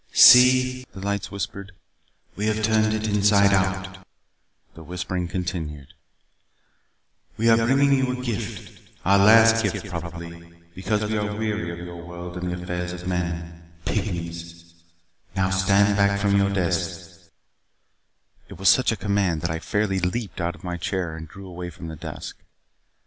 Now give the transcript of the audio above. "See." The lights whispered. "We have turned it inside out " The whispering continued. "We are bringing you a gift. Our last gift, probably, because we are weary of your world and the affairs of men. Pygmies! Now, stand back from your desk " It was such a command that I fairly leaped out of my chair and drew away from the desk.